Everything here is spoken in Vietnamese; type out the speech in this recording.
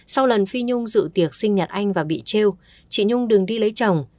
sau lần phi nhung dự tiệc sinh nhật anh và bị treo chị nhung đường đi lấy chồng